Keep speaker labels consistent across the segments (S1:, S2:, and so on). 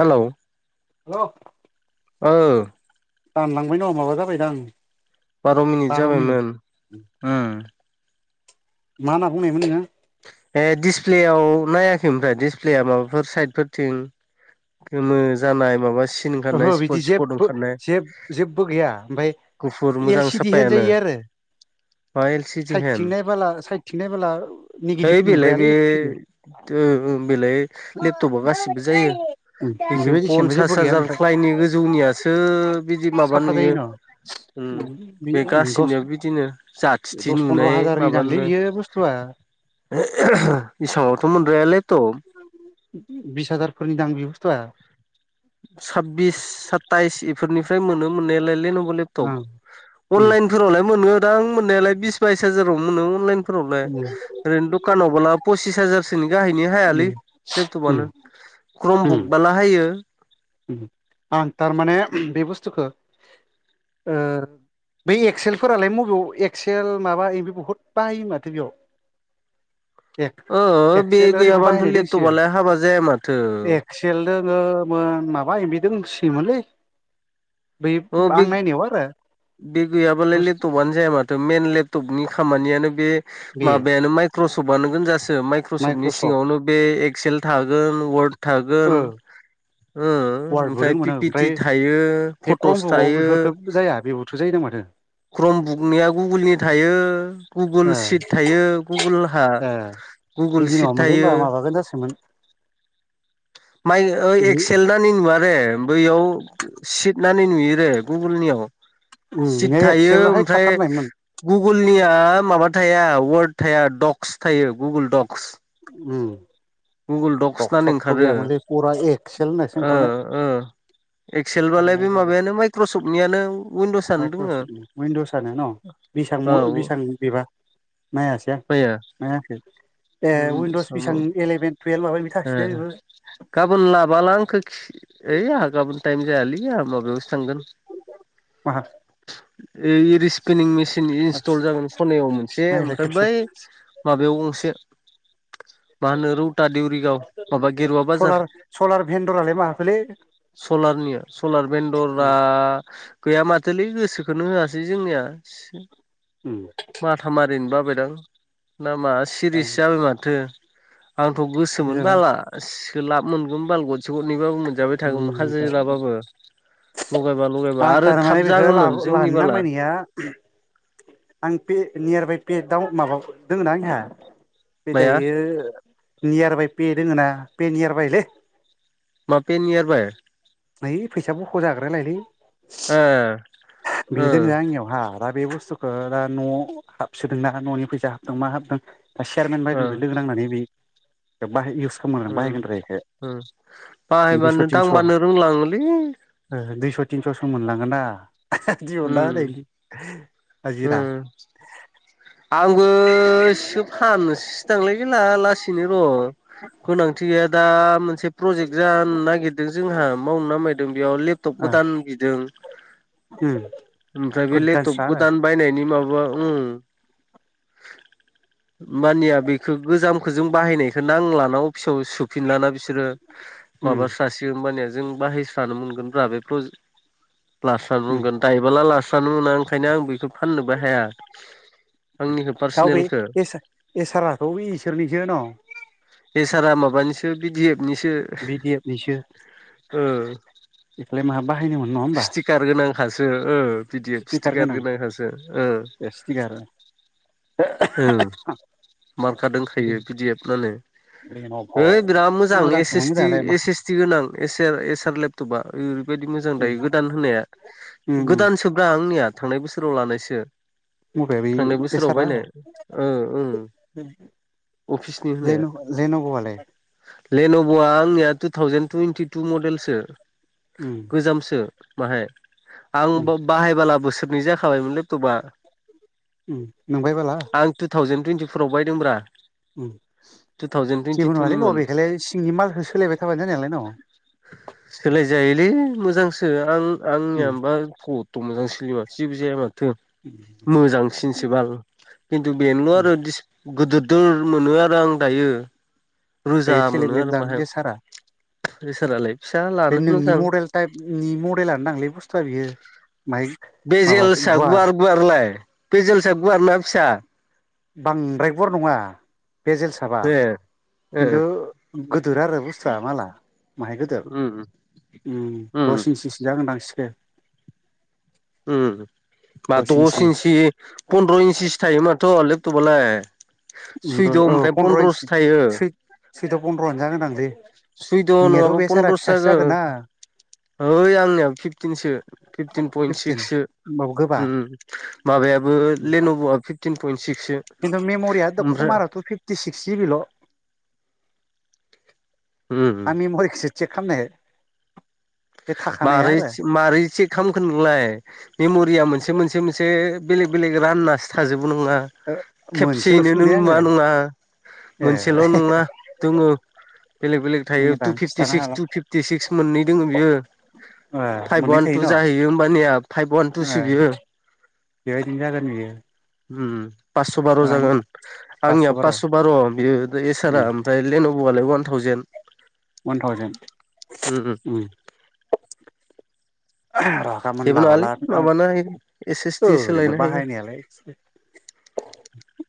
S1: Hello.
S2: हेल'
S1: औ।
S2: दानलांबाय नामा माबा जाबायदांं।
S1: बार' मिनिट जाबायमोन उम।
S2: मा ना बुंनायमोन नोंङो?
S1: ए दिसप्लेआव नायाखै ओमफ्राय दिसप्लेया माबाफोर साइदफोरथिं गोमो जानाय माबा सि
S2: ओहो बिदि जेबबो जे जेबबो गैया ओमफ्राय
S1: गुफुर मोजां
S2: एल सि डि
S1: साफायानो
S2: होनजायो आरो।
S1: मा एल सि
S2: [inaudible]
S1: डि
S2: साइदथिं
S1: हेन
S2: नायबाला साइदथिं नायबाला नेगेटिभ नुग्रायालै [unintelligible]
S1: औ औ बेलाय लेपटपा गासिबो जायो बेखोनो
S2: बेबायदि सेमबा जेबो
S1: पन्सास
S2: गैया
S1: हाजार। [unintelligible]
S2: ओमफ्राय
S1: गोजौनियासो बिदि माबा
S2: साफा जायो
S1: नुयो।
S2: न'
S1: उम बे गासिनाबो बिदिनो जाथिथि
S2: दस फन्द्र'
S1: नुनाय
S2: हाजारनि
S1: माबा
S2: दांलै
S1: नुनाय
S2: बियो बुस्थुआ
S1: [unintelligible]
S2: बिस हाजारफोरनि दां बे बुस्थुआ।
S1: साबबिस साताइस इफोरनिफ्राय मोनो मोननायालाय लेनेभ'
S2: ओं
S1: लेपटप
S2: उम
S1: अनलाइन। फोरावलाय मोनो दांं मोननायालाय बिस बाइस हाजाराव मोनो अनलाइनफोरावलाय।
S2: उम
S1: ओरैनो दुखानावबाला पसिस हाजारसोनि गाहायनि हायालै
S2: उम
S1: लेपटपानो क्रम
S2: उम
S1: बुक बाला हायो।
S2: आं थारमाने बे बुस्थुखौ ओ बै एक्सेलफोरालाय मबेयाव एक्सेल माबा इबि बहुद बाहायो माथो बेयाव [inaudible]
S1: ओ बे
S2: एक्सेल ओरैबो बाहायनाय
S1: गैयाबानोथ' लेपटपआलाय हाबा जाया माथो
S2: सेल दोङमोन माबा एमबि दोंसोयोमोनलै बै
S1: ओ बे
S2: आं नायनायाव आरो
S1: बे गैयाबालाय'
S2: बुस्थु
S1: लेपटपानो जाया माथो। मेन लेपटपनि खामानियानो बे
S2: बे
S1: माबायानो माइक्रसफ्टआनो गोनजासो माइ क्रशपनि
S2: माइक्रसफ्ट
S1: सिङावनो बे एक्सेल थागोन वार्ड थागोन
S2: ओ
S1: ओ
S2: वार्डबो
S1: ओमफ्राय
S2: दोंमोन
S1: पि
S2: ओं
S1: पि
S2: ओमफ्राय
S1: टि थायो।
S2: बे
S1: फट'स
S2: क्रम्बुकआव
S1: थायो
S2: बेफोरफोरखौब जाया बेबोथ' जायोनो माथो
S1: क्रम बुकनिया गुगोलनि थायो गुगोल
S2: ओ
S1: सिट थायो गुगोल हा गुगोल सिट थायो।
S2: हागोन जासोयोमोन
S1: माइ
S2: बि
S1: ओएकसेल नानि नुवारे बैयाव सिदनानि नुयो रे गुगोलनियाव
S2: उम
S1: सिट
S2: बिनिया
S1: थायो
S2: एक्सेलावहाय
S1: ओमफ्राय
S2: थाथारनायमोन
S1: गुगोलनिया माबा थाया वार्ड थाया डक्स थायो गुगोल डक्स
S2: उम
S1: गुगोल
S2: थक
S1: डक्सानो
S2: सक थ'
S1: ओंखारो
S2: गैयामोनलै फुरा एक्सेल होननायसो
S1: ओ ओ एक्सेल बालाय बे
S2: ओंखारनाय
S1: माबायानो माइक्रसफ्टनियानो उइनदसआनो दोङो
S2: माइक्रसफ्टनि उिनडसनो बेसेयां मो
S1: औ
S2: बिसांनि बेबा नायासै आं
S1: माया
S2: नायाखै ए वइिनड'स बेसां
S1: उइनदस
S2: इलेभेन टुयवेल्भ माबानि
S1: ओ
S2: थाखायो बेबो
S1: गाबोन लाबोला आंखौ खि ओइ आंहा गाबोन टाइम जायालै आंहा माबायावस थांगोन
S2: माहा
S1: ओइ इरिसपिनिं मेस सिन इन्स्टल जागोन खनायाव मोनसे
S2: नायलाय
S1: ओमफ्राय
S2: खेबसे
S1: बै माबायाव गंसे मा होनो रौता देउरिगाव माबा गेरुवा
S2: सलार
S1: बाजार
S2: सलार भेन्दरालाय माहाथोलै
S1: सलारनिया सलार बेन्दरा गैया माथोलै गोसोखोननो होआसै जोंनिया
S2: उम
S1: माथाामारिनो बाबायलां नाामा
S2: आं
S1: सिरिसो जाबाय माथो आंथ' गोसोमोन
S2: जाबाय
S1: बाला सोलाब मोनगोन बाल गरसे गरनैबाबो मोन मोनजाबाय थागौमोन
S2: उम
S1: हाजेरा बाबो लगायबा लगायबा
S2: आं
S1: आरो थाब
S2: थारमाने बेखौ
S1: जागोमोन
S2: लाबो
S1: जोंनि
S2: लानो
S1: बाला
S2: नामायनाया आं पे नियार बाइ पे दआव माबा दङ ना बो आंनिया बे दायो नियार बाइ पे दोङो ना पे नियार बायलै
S1: मा बेे नियारबाय
S2: ओइ फैसा बख'जाग्रायालायलै
S1: ओ
S2: बे
S1: ओ
S2: दोङो आंनियावहा दा बे बुस्थुखो दा न' हाबसोदोंना न'नि फैसा हाबदों मा हाबदों दा चेयारमेन
S1: ओ
S2: बायदुनदो लोगो नांनानै बि दा बाहाय इउस खालामो
S1: उम उम बाहायबानो दांबानो रोंलाङोलै
S2: ओह दुइस' थिनस'सो मोनलांङोना दिहुनना
S1: उम
S2: होनायनि हाजिरा
S1: उम आंबो इसो फाननोसैसो दांलै गैला लासैनो र' गोनांथि गैया दा मोनसे प्रजेक्ट जानो नागिरदों जोंहा मावनो नामायदों बेयाव लेप टप गोदान बिदों
S2: [unintelligible]
S1: ओमफ्राय बे लेपटप
S2: गोदानस्रा आरो
S1: गोदान बायनायनि माबा उम
S2: [unintelligible]
S1: मानिया बेखौ गोजामखो जों बाहायनायखौ नांलाना अफिसाव सुफिनलाना बिसोरो
S2: [unintelligible]
S1: माबा स्रासि होमबानिया जों बाहायस्रानो मोनगोनब बे प्रजे लास्रानो रगोन दायबोला लास्रानो मोना ओंखायनो आं बेखौ फाननोबो हाया आंनिखौ
S2: दा बे
S1: पार्सनेलखौ
S2: एसारखौ बे इसोरनिसो न'
S1: बे सारा माबानिसो बिडि एफ निसो
S2: बि डि एबनिसो
S1: ओ
S2: इखोलाय माहा बाहायनोमोनो नङा होमबा
S1: स्कार गोनांखासो P D F
S2: speaker
S1: sticker
S2: गोनां
S1: गोनांखासो
S2: स्टिकार
S1: ओं मारखा दोंखायो पि दि एफ फोरानो
S2: लेन'भ'
S1: है बिराद मोजां एस एस
S2: मोजांसोमोन
S1: ति
S2: मोजाङालाय मा
S1: एस एस ति गोनां एसेल एसार लेपटपा ओरैबायदि मोजां दायो गोदान होनाया
S2: मबेया
S1: गोदान सो हा आंनिया थांनाय बोसोराव लानायसो
S2: बे
S1: थांनाय बोसोराव
S2: एसारा
S1: बायनाय ओं अफिसनि होनाया
S2: लेनांगौवालाय
S1: लेन'भ'आ आंनिया टु थावजेन टुवइन्टि टु मडेलसो
S2: उओम
S1: गोजामसो माहाय
S2: उम
S1: आं बाहायबोला बोसोरनै जाखाबायमोन लेपटपा
S2: नोंफाय बाल
S1: आं ु थावजेन टुवेटिराव बायदोंब्रा टु थावजेन
S2: जेबो नङालै दङ
S1: टुइन्टिटुनिमोन
S2: बेखायलाय सिंनि मालखौो सोलायबाय थाबायानो जानायालाय न
S1: सोलायजायोलै मोजांसो आं
S2: उम
S1: आंनियााबा कट ' मोजां सोलियोा जेबो जाया माथो
S2: उ
S1: मोजांसिनसो बाल खिन्थु बेनोल'
S2: उम
S1: आरो गिदिरदोर मोनो आरो आं दायो रोजा
S2: बेयो थेलेब
S1: मोनो आरो
S2: लेबदां
S1: माहाय
S2: बे सारा
S1: इसोरालाय फिसा
S2: बे
S1: लानो
S2: नोंनि
S1: मोजां
S2: मडेल टाइपनि मडेलानो दांलै बुस्थुआ बियो बाहायक
S1: बे जेलसा गुवार गुवारलाय बे जेलसा गुवार ना फिसा
S2: बांद्राय गुवार नङा बे जेलसाबा
S1: ए ए
S2: खिन्थु गिदोर आरो बुस्थुआ माला माहाय गदिर
S1: उम उम
S2: दस इन्सिसो जागोनदां सिखो
S1: बा दस इन्सि फन्द्र' इन्सिसो थायो माथ' लेपटपालाय
S2: उम
S1: सुइदं ओमफ्राय पन्द्रस' थायो
S2: सैथ' पन्द्र'आ जानोोनांलै
S1: सुइद'
S2: नोंनियाथ'
S1: नङाबा
S2: बे सारा
S1: पन्द्र'सो
S2: फिसाासो जागोन ना
S1: ओइ आंनियाव फिफटिनसो फिफटिन पइन्ट
S2: फिफटिन
S1: सिक्स
S2: होमबाबो गोबा
S1: सिक्ससो माबायाबो लेन'भ'आ फिफटिन पइन्ट सिक्ससो
S2: खिन्थु मेम'रियाथ'
S1: ओमफ्राय
S2: खमाराथ' फिफ्टि सिक्स जिबिल'
S1: उम
S2: आंमरिखिसो चेक खालामनो
S1: मारै मारैे खामखो नोंलाय मेम'रिया मोनसे मोनसे मोनसे बेलेग बेलेग राननासो थाजोबो नङा
S2: मोनसेल'सो
S1: खेबसेयैनो
S2: नुदों
S1: नोंङा
S2: आङो
S1: नङा
S2: ए
S1: मोनसेल' नङा दङ बेलेग बेलेग थायो टु
S2: मोजां
S1: फिफटि
S2: खिथानो
S1: सिक्स टु फिफ्टि सिक्स मोननै दङ बियो
S2: ए
S1: फाइभ
S2: मोननै
S1: वान
S2: थाय
S1: टु
S2: न'
S1: जाहैयो होमबानिया फाइभ वान
S2: ए
S1: टुसो बियो
S2: बेबायदिनो जागोन बियो
S1: पास्स' बार'
S2: रां
S1: जागोन आंनियाव पास्स' बार' बि इसारा ओफ्राय लेेनबलाय वान थावजेन
S2: वान थावजन्
S1: उम उम
S2: रागा मोन
S1: जेबो नङालै
S2: लाबोला आं
S1: माबानो हायो एस एस टि
S2: ओरैनो
S1: सोलायनो हायो
S2: बाहायनायालाय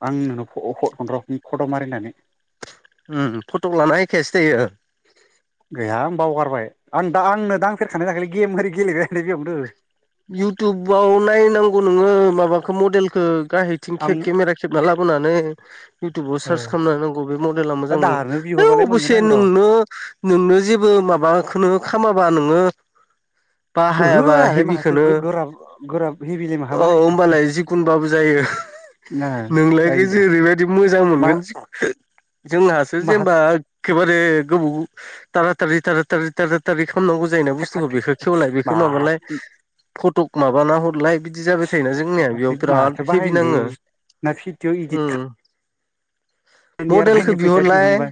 S2: आंनोंनो हट हरगोन र फट मारिनानै
S1: उम फट' लाना एखायासो जायो
S2: गैयां बावगारबाय आं दा आंनो दांफेरखानाय थाखायाखै गेम ओर गेग्रायनाय बेयावनोद
S1: इउटुबाव नायनांगौ नोङो माबाखौ मडेलखौ गाह थिं केमेरा खेबना लाबोनानै इउटुबाव सार्च
S2: आं
S1: खालामना होनांगौ बे मडेला
S2: दा
S1: मोजां मोनो
S2: दानो
S1: है
S2: बिहरबालाय मोनगोन
S1: अबसे
S2: आं र'
S1: नोंनो नोंनो जेबो माबाखौनो खामाबा नोङो
S2: ओहो
S1: बाहायाबा
S2: आंहालाय
S1: हेभि,
S2: माहाथो
S1: नो
S2: गोराब गोराब हेभिलाय माहा
S1: होमबालाय जिखुनबाबो जायो।
S2: बाहायनो
S1: नोंलायग
S2: आयदा
S1: जओेरैबायदि मोजां
S2: मा
S1: मोनगोन जोंहासो
S2: माहा
S1: जेनेबा एकेबारे गोबौ टारा टारि टारा टारि टारा टारि खालामनांगौ जायायोना
S2: थेक थाक
S1: बुस्थुखौ
S2: थेक
S1: बेखौ
S2: थेक
S1: खेवलाय बेखौ माबालाय,
S2: माथो
S1: फट'क माबाना हरलाय बिदि जाबाय थायोना जोंनिया बेयाव बिराद हेभि नाङो,
S2: भिडअ इदिट खालाम नियार
S1: मडेलखौ
S2: बाइनि फैसा
S1: बिहरलाय
S2: दिहुनबाय,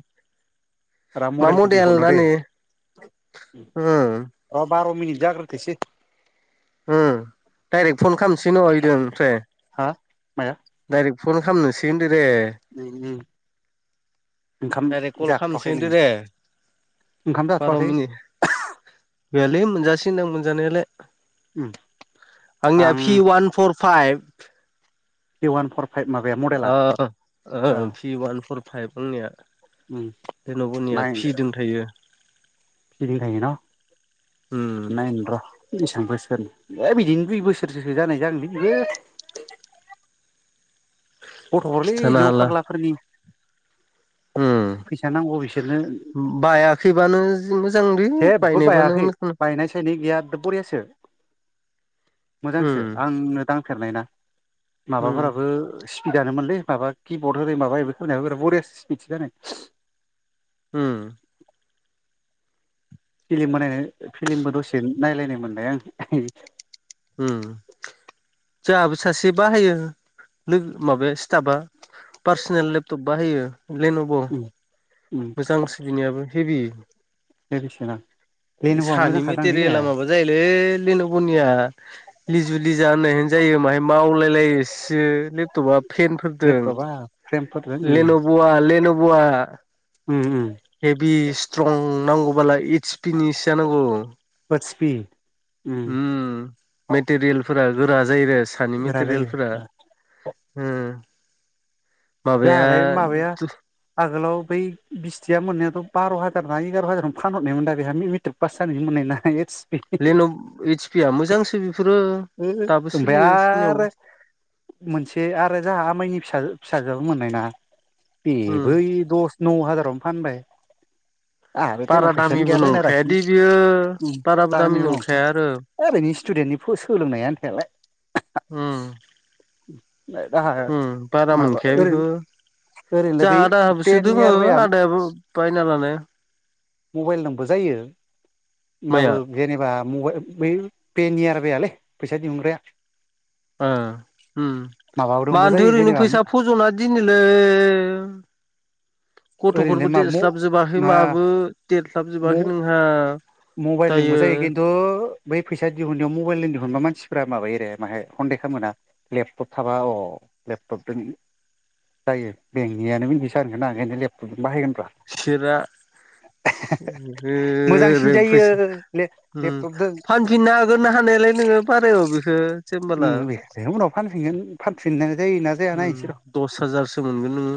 S2: राम
S1: मा
S2: मडेलखौ
S1: मडेल
S2: बिहरनो दे
S1: होननानै
S2: र बार' मिनिट जाग्रोथोसै
S1: उम डाइरेक्ट फन खालामसै [unintelligible] ओमफ्राय,
S2: हा माया
S1: डाइरेक्ट फन खालामनिसै होन्दो रे
S2: उम
S1: डाइरेक्ट कल खालामसै
S2: जाथ'वाखै
S1: होनदो
S2: नोङो
S1: दे
S2: ओंखाम
S1: बार'
S2: जाथ'वाखै
S1: मिनिट गैयालै मोनजासै मोनजानायालाय, आंनिया
S2: आं
S1: P one four five,
S2: one four माबाया मडेला
S1: अ फि वान फर फाइभ आंनिया, जेन'गुनिया
S2: नाइन
S1: फिजों थायो।
S2: [unintelligible]
S1: उम
S2: नायनो र' बेसेबां बोसोर बिदिनो दुइ बोसोरससो जानाय जागोलै बियो, गथ'फोरलै
S1: खिथानो
S2: जौ
S1: हाला
S2: फाग्लाफोरनि
S1: उम
S2: फैसा नांगौ बिसोरनो,
S1: बायाखैबानो जि मोजांलै
S2: जेबो
S1: बायनायबानो
S2: बायाखै
S1: मोजां,
S2: [unintelligible] गैया बरियासो
S1: उम
S2: मोजांसो आंनो दांफेरनाय ना,
S1: उम
S2: माबाफोराबो स्पिदानोनलै माबा किबर्ड होदों माबा बेफोर खालामनायाबो बिर बरिया स्पिडथि जानो,
S1: उम
S2: फिलिम बानायनायनो फिलिमबो दसे नायलायनो मोनबाय आं
S1: उम जोंहाबो सासे बाहायो लोगो माबाया स्टाफा, पार्सनेल लेपटप बाहायो लेन'ब,
S2: उम उम
S1: हांसो बिनिनायाबो हेबि
S2: लोगोसेना लेन'भआ
S1: सानि
S2: मोजांखादांलै ने
S1: मेटेरियेला माबा जायोलै लेन'बनिया लिजु लिजा होननाय जायो माहाय मावलायलायो सि बथ'बा पेनफोरदों
S2: लेपटपा फ्रेमफोरजों उम
S1: लेन'ब लेन'ब आ
S2: उम उम
S1: हेभि स्ट्रं नांगौबालाय एस पि नि सो नांगौ,
S2: [unintelligible] उम
S1: मेटेरियेलफोरा गोरा जायो आरो सानि
S2: गोरा जायो
S1: मेटेरियेलफोरा ओ माबाया
S2: जोंहालाय माबाया आगोलाव बै बिस्थिया मोननायाथ' बार' हाजार ना एगार' हाजारावनो फानहरनायमोन दा बेहा मेट्रिक पास जानो मोननाय ना एस पि,
S1: लेन'ब एस पि आ मोजांसो बेफोरो,
S2: ओ
S1: दाबो
S2: ओमफ्राय
S1: सोलियो सोलिनायावबो
S2: आरो मोनसे आरो जाहा माइनि फिसा फिसाजोआबो मोननाय ना
S1: उम
S2: बेबो दस, नौ हाजारावनो फानबाय, आंहा बे थाहेम
S1: बारा
S2: फैसायानो
S1: दामिबो
S2: गैया
S1: नंखायादि बियो
S2: बायनालाखिनो
S1: बाराबो दामि नंखाया
S2: [unintelligible]
S1: आरो
S2: ओरैनो स्टुडेन्टनि सोलोंनायानो थालाय।
S1: उम उम बारा
S2: माबा
S1: मोनखाया बेखौ।
S2: ओरैनो ओरैनोलाय
S1: जों
S2: बै
S1: आदाहाबोसो
S2: टेन
S1: दोङो
S2: इयार बाया
S1: आदायाबो बायना लानाय।
S2: मबाइल नबो जायो
S1: माइया
S2: होमबाबो जेनेबा मबाइ बै पेनि आर बलै फैसा दिहुनग्राया
S1: ओ उम मा
S2: माबाजोंबो
S1: मानोथो
S2: जायो
S1: ओरैनो
S2: जेनेबा
S1: फैसा फज'ना दिनोलै
S2: ओरैनोलाय
S1: गथ'फोरबो
S2: मा म
S1: देरस्लाबजोबाखै
S2: ना
S1: माबो देरस्लाबजोबाखै नोंहा,
S2: मबाइल लिंबो
S1: दायो
S2: जायो खिन्थु, बै फैसा दिहुनायाव मबाइलनि दिहुनबा मानसिफ्रा माबायोरो खनदेख खालामोना लेपटप थाबा अ लेपटपजों जायो बेंकनियानो मिथिस होनोन लेपटपजों बाहायगोनब्रा।
S1: सिरा ओर
S2: [unintelligible]
S1: ओम फानफिननो हागोन ना हानायालाय नोङो बारायाव बेखौ जेनबोला।।
S2: जों उनाव फानफिनगोन फानफिननाय जायो ना जाया
S1: ओम
S2: नायनोसै र'
S1: दस हाजारसो मोनगोन नोङो।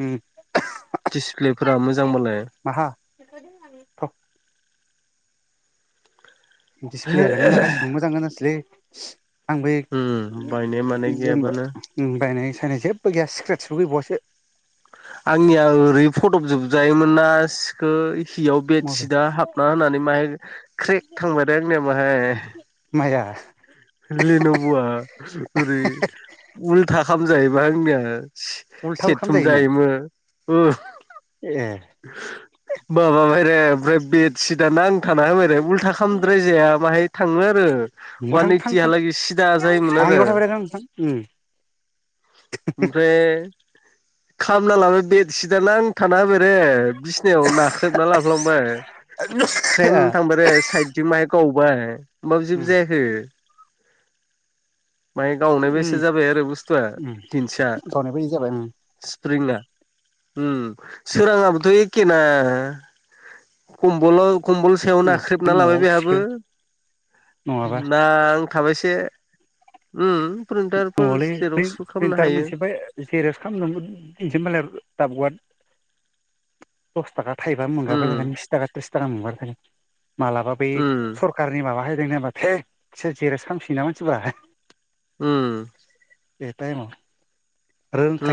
S2: उम
S1: दिसप्लेफोरा मोजांबालाय।
S2: माहा? [inaudible] दिसप्लेआलाय मोजां गासिबो मोजां गोजासोलै। आं बे
S1: उम बायनाय मानाय
S2: जेनेबा
S1: गैयाबानो
S2: बायनाय सायनाय जेबो गैया इसक्रेटसबो गैबावसो।
S1: आंनिया ओरै फदबजोबजायोमोनना सिखै हियाव
S2: मबाइल
S1: बेडशिटआ हाबना होनानै माहाय क्रेक थांबाय रे आंनिया माहाय।
S2: माया?
S1: लेन'बुवआ ओरै उलथा खामजायोबा आंनिया।
S2: उल्थाबो
S1: सेरथुम
S2: खालामजायोमोन
S1: जायोमोन।
S2: ए
S1: माबाबाय रे ओमफ्राय बेडसिटआ नां थाना होबायरे उल्था खालामद्रायजाया बाहाय थाङो आरो
S2: नोंबो
S1: वान
S2: थां थां थां
S1: ओइटियालागै सि
S2: आं बेयावनो थाबाय थागोन थां।
S1: ओमफ्राय खामना लाबाय बेडसिटआ नांथाना होबायरे बिस नायाव नाख्रेबना लाफ्लांबाय ख्रेम
S2: ए
S1: थांबायरे साइदजों माहाय गावबाय। होमबाबो जेबो
S2: उम
S1: जायाखै। माहाय गावनाय बेायसा
S2: उम
S1: जाबाय आरो बुस्थुआ
S2: उम
S1: [unintelligible]
S2: गावनाय बायदि जाबाय उम
S1: स्प्रिंया ओम। सोराङाबोथ' एखे ना खमबोल' कम्बल सायाव
S2: उम
S1: नाख्रेबना लाबाय
S2: न'आव
S1: बेहाबो
S2: सिगोन नङाबा
S1: नां थाबायसे ओम प्रिन्टारफोर जेराव सु खामनो हायो।
S2: सिरियास खामनोबो दिसै होनबालाय। दसथाखा थाइबा मोनगारबाय
S1: उम
S2: थागोन बिस थाखा त्रिस थाखा मोनगारबाय थागोन मालाबा बै
S1: उम
S2: सर कारनि माबा हायदोंनो माथो बिसोर जेरेस खालामसोयो ना मानसिबा।
S1: उम
S2: बे टाइमाव।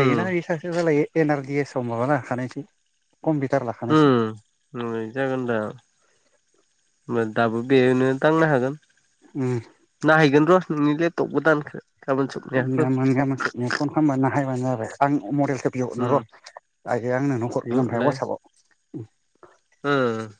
S1: उम
S2: बे सासे जालायो एन आर डि एस आव माबा लाखानायसो कम्पिउटार लाखानायसो।
S1: उम जागोन दा होमबा दाबो बेनो दांनो हागोन।
S2: उम
S1: नायहैगोन र' नोंनि लेपटप गोदानखो।
S2: गाबोन गामोन सबनैहा फन खालामबा नाहायबानो जाबाय आं मडेलखो बिहरनो
S1: उम
S2: र' आयै आं नोंनो हरगोन ओमफ्राय वाट्सएपाव।
S1: ओं